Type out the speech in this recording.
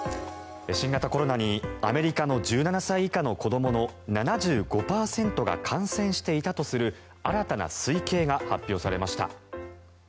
新型コロナにアメリカの１７歳以下の子どもの７５％が感染していたとする新たな推計が発表されました。